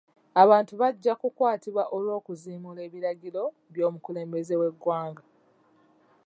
Abantu bajja kukwatibwa olwo'kuziimuula biragiro by'omukulembeze we ggwanga.